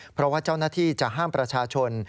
เพราะว่าเจ้าหน้าที่จะห้ามประชาชน